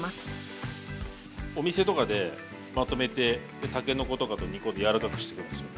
お店とかでまとめてたけのことかと煮込んで柔らかくしてくるんですよ。